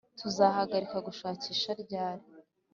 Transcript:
tuzahagarika gushakisha ryari